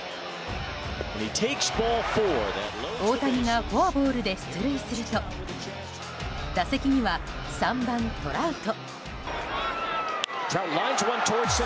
大谷がフォアボールで出塁すると打席には３番、トラウト。